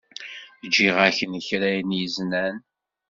Ǧǧiɣ-ak-n kra n yiznan.